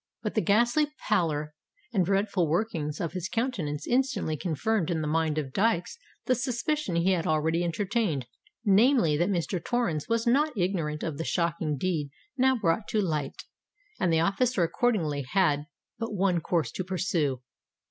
But the ghastly pallor and dreadful workings of his countenance instantly confirmed in the mind of Dykes the suspicion he had already entertained—namely, that Mr. Torrens was not ignorant of the shocking deed now brought to light: and the officer accordingly had but one course to pursue.